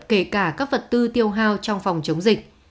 kể cả các vật tư tiêu hao trong phòng chống dịch